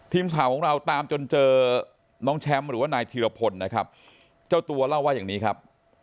ทีมข่าวของเราตามจนเจอน้องแชมป์หรือว่านายธีรพลนะครับเจ้าตัวเล่าว่าอย่างนี้ครับ